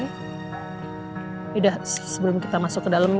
sudah sebelum kita masuk ke dalam